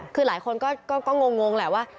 คือหลายคนก็งงแหละว่า